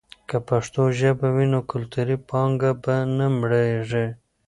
که پښتو ژبه وي، نو کلتوري پانګه به نه مړېږي.